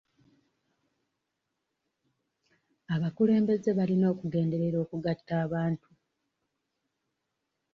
Abakulembeze balina okugenderera okugatta abantu.